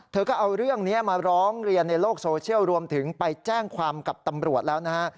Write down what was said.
เธอก็เอาเรื่องนี้มาร้องเรียนในโลกโซเชียลรวมถึงไปแจ้งความกับตำรวจแล้วนะฮะ